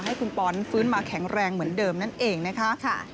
ให้คุณปอนฟื้นมาแข็งแรงเหมือนเดิมนั่นเองนะคะ